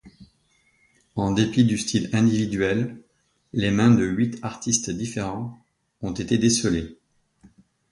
En dépit du style individuel, les mains de huit artistes différents ont été décelés.